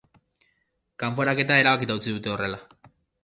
Kanporaketa erabakita utzi dute horrela.